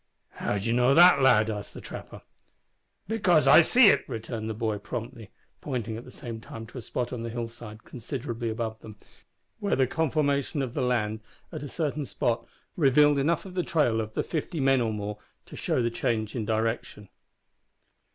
"How d'ye know that, lad?" asked the trapper. "Because I see it" returned the boy, promptly, pointing at the same time to a spot on the hill side considerably above them, where the conformation of the land at a certain spot revealed enough of the trail of the "fifty men or more," to show the change of direction.